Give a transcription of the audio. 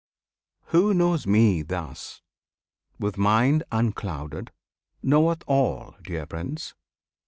Who knows Me thus, With mind unclouded, knoweth all, dear Prince!